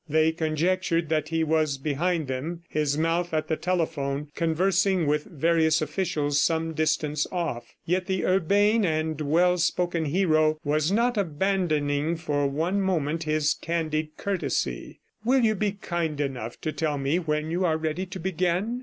They conjectured that he was behind them, his mouth at the telephone, conversing with various officials some distance off. Yet the urbane and well spoken hero was not abandoning for one moment his candied courtesy. "Will you be kind enough to tell me when you are ready to begin?"